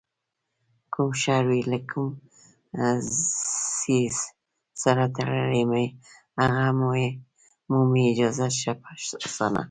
کوم شر وي له کوم څیز سره تړلی، هغه مومي اجازت ښه په اسانه